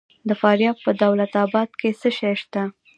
د فاریاب په دولت اباد کې څه شی شته؟